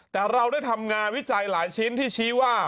แต่เราได้ทำงานวิจัยหลายชิ้นที่ชี้ว่า